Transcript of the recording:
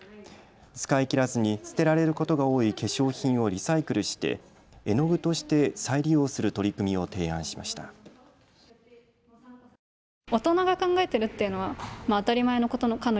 使い切らずに捨てられることが多い化粧品をリサイクルして絵の具として再利用する取り組みを提案しました。